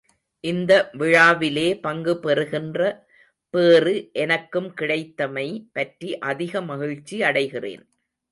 இந்த விழாவிலே பங்கு பெறுகின்ற பேறு எனக்கும் கிடைத்தமை பற்றி அதிக மகிழ்ச்சி அடைகிறேன்.